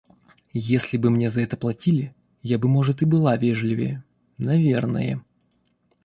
Если бы мне за это платили, я бы может и была вежливее. Наверное.